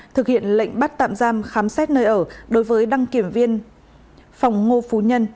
thực hiện lệnh bắt tạm giam khám xét nơi ở đối với đăng kiểm viên phòng ngô phú nhân